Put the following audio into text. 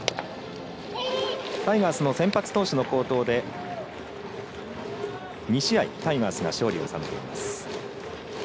タイガースの先発投手の好投で２試合、タイガースが勝利を収めています。